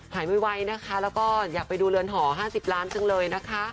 ไวนะคะแล้วก็อยากไปดูเรือนหอ๕๐ล้านจังเลยนะคะ